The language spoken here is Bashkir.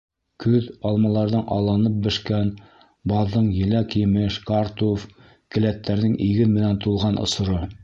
Көҙ — алмаларҙың алланып бешкән, баҙҙың — еләк-емеш, картуф, келәттәрҙең иген менән тулған осоро.